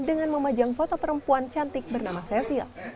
dengan memajang foto perempuan cantik bernama cesil